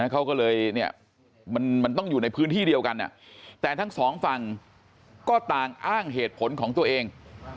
เขาก็เลยมันต้องอยู่ในพื้นที่เดียวกันแต่ทั้งสองฝั่งก็ต่างอ้างเหตุผลของตัวเอง